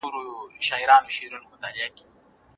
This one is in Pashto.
انا خپل لاسونه د ماشوم له مخه لرې کړل.